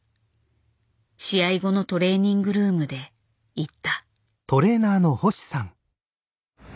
試合後のトレーニングルームで言った。